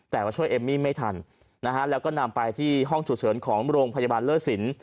แต่ว่าช่วยเอมมี่ไม่ทันนะฮะแล้วก็นำไปที่ห้องฉุกเฉินของโรงพยาบาลเลิศสิน